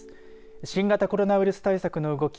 新型コロナウイルス対策の動き